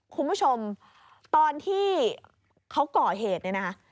คุณผู้ชมตอนที่เขาก่อเหตุ